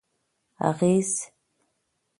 اغېز: